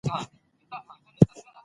د افغانستان طبیعت له رسوب څخه جوړ شوی دی.